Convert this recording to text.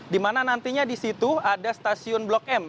di mana nantinya di situ ada stasiun blok m